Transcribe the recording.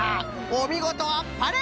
おみごとあっぱれ。